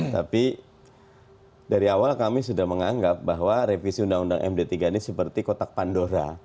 tapi dari awal kami sudah menganggap bahwa revisi undang undang md tiga ini seperti kotak pandora